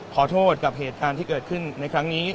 ขอโทษกับเหตุการณ์ที่เกิดขึ้นในครั้งนี้